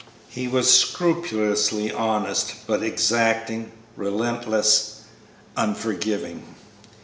He was scrupulously honest, but exacting, relentless, unforgiving.